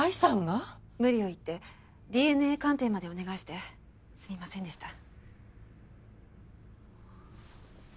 無理を言ってＤＮＡ鑑定までお願いしてすみませんでした。